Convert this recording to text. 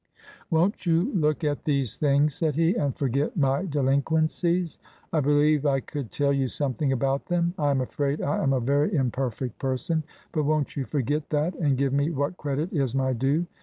" Won't you look at these things," said he, " and forget my delinquencies ? I believe I could tell you something about them. I am afraid I am a very imperfect person ; but won't you forget that and give me what credit is my due